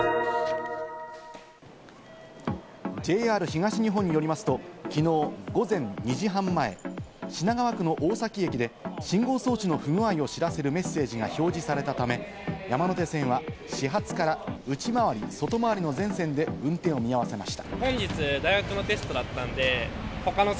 ＪＲ東日本によりますと、きのう午前２時半前、品川区の大崎駅で信号装置の不具合を知らせるメッセージが表示されたため、山手線は始発から内回り・外回りの全線で運転を見合わせました。